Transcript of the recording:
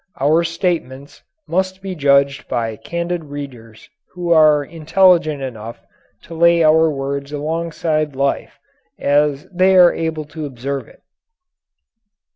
Our statements must be judged by candid readers who are intelligent enough to lay our words alongside life as they are able to observe it.